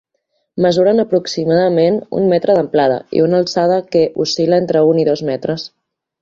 Mesuren aproximadament un metre d'amplada, i una alçada que oscil·la entre un i dos metres.